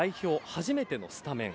初めてのスタメン。